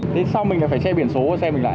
thế sao mình lại phải che biển số xe mình lại